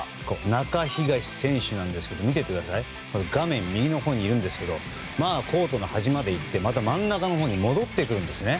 中東選手ですが画面右のほうにいるんですがコートの端まで行ってまた真ん中のほうに戻ってくるんですね。